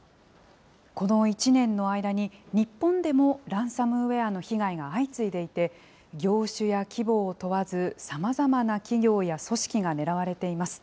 この１年の間に、日本でもランサムウエアの被害が相次いでいて、業種や規模を問わず、さまざまな企業や組織が狙われています。